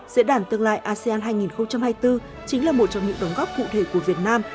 diễn đàn tương lai asean hai nghìn hai mươi bốn chính là một trong những đóng góp cụ thể của việt nam